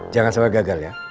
jangan sampai gagal ya